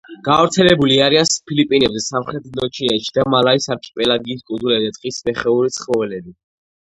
გავრცელებული არიან ფილიპინებზე, სამხრეთ ინდოჩინეთში და მალაის არქიპელაგის კუნძულებზე; ტყის მეხეური ცხოველებია.